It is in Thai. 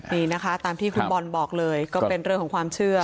นี่นะคะตามที่คุณบอลบอกเลยก็เป็นเรื่องของความเชื่อ